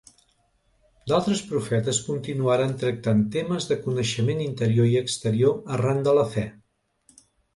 D'altres profetes continuaren tractant temes de coneixement interior i exterior arran de la fe.